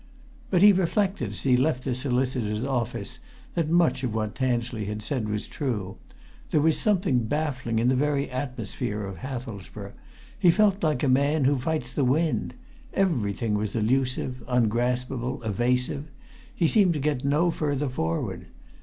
But he reflected, as he left the solicitor's office, that much of what Tansley had said was true. There was something baffling in the very atmosphere of Hathelsborough he felt like a man who fights the wind. Everything was elusive, ungraspable, evasive he seemed to get no further forward.